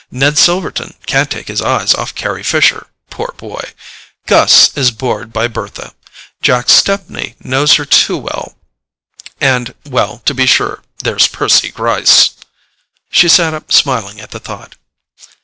Ned Silverton can't take his eyes off Carry Fisher—poor boy! Gus is bored by Bertha, Jack Stepney knows her too well—and—well, to be sure, there's Percy Gryce!" She sat up smiling at the thought.